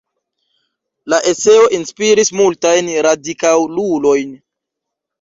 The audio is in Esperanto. La eseo inspiris multajn radikalulojn.